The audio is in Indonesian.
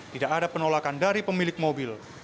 tidak ada penolakan dari pemilik mobil